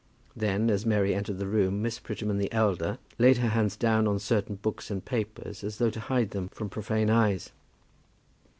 Then, as Mary entered the room, Miss Prettyman the elder laid her hands down on certain books and papers as though to hide them from profane eyes.